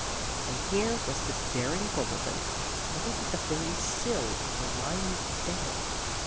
And here was this daring Quimbleton, living at the very sill of the lion's den.